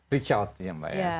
reach out ya mbak ya